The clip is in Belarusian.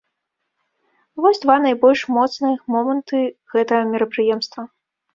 Вось два найбольш моцных моманты гэтага мерапрыемства.